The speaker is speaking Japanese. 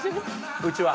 うちは。